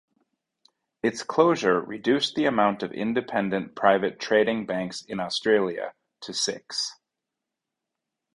Its closure reduced the amount of independent private trading banks in Australia to six.